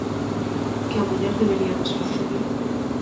Que ao mellor deberiamos facelo?